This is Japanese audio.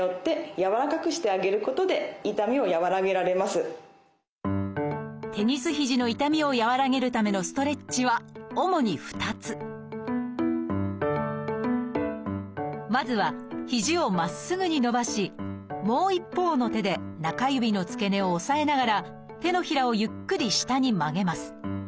そこでテニス肘の痛みを和らげるためのストレッチは主に２つまずは肘をまっすぐに伸ばしもう一方の手で中指の付け根を押さえながら手のひらをゆっくり下に曲げます。